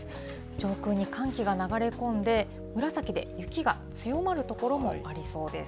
上空に寒気が流れ込んで、紫で雪が強まる所もありそうです。